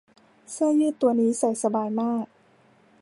เสื้อยืดตัวนี้ใส่สบายมาก